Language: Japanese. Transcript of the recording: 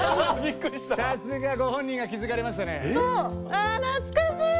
あ懐かしい！